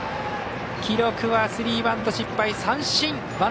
記録はスリーバント失敗、三振！